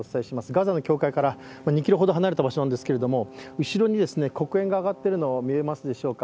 ガザの境界から２ｋｍほど離れた場所なんですけれども後ろに黒煙が上がっているのが見えますでしょうか。